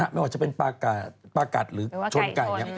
ไม่ว่าจะเป็นปลากัดหรือชนไก่